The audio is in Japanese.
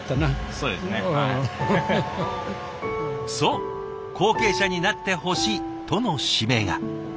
そう「後継者になってほしい」との指名が。